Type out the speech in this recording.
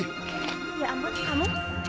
ya ampun kamu